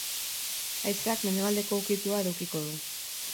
Haizeak mendebaldeko ukitua edukiko du.